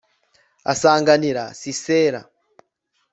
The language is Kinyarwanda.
asanganira sisera